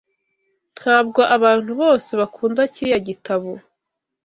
Ntabwo abantu bose bakunda kiriya gitabo.